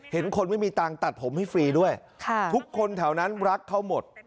เห็นคนไม่มีตังค์ตัดผมให้ฟรีด้วยทุกคนแถวนั้นรักเขาหมด